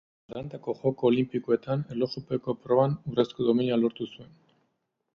Atlantako Joko Olinpikoetan erlojupeko proban urrezko domina lortu zuen.